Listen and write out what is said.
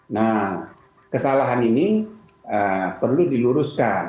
nah kesalahan ini perlu diluruskan